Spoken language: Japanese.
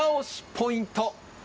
ポイント。